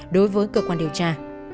đối với cơ quan điều tra